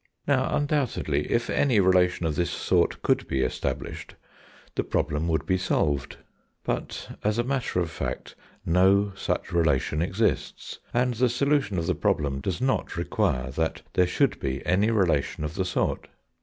Now, undoubtedly, if any relation of this sort could be established, the problem would be solved; but as a matter of fact no such relation exists, and the solution of the problem does not require that there should be any relation of the sort.